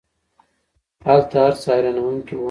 هلته هر څه حیرانوونکی وو.